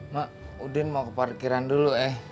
mak udin mau ke parkiran dulu eh